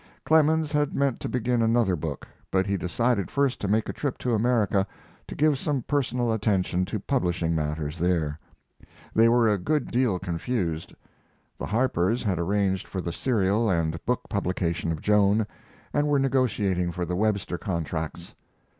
] Clemens had meant to begin another book, but he decided first to make a trip to America, to give some personal attention to publishing matters there. They were a good deal confused. The Harpers had arranged for the serial and book publication of Joan, and were negotiating for the Webster contracts.